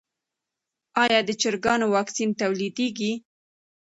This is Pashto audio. آیا د چرګانو واکسین تولیدیږي؟